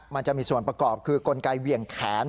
มันจะมีส่วนประกอบคือกลไกเหวี่ยงแขน